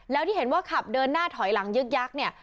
แล้วที่เห็นว่าขับเดินหน้าถอยหลังยึกยักษ์เนี่ย